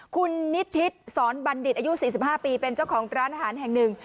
คุณนิทิศสอนบัณฑิตอายุ๔๕ปีเป็นเจ้าของร้านอาหารแห่งหนึ่ง